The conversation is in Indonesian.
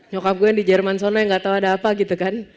nyokap gue di jerman sana yang gak tau ada apa gitu kan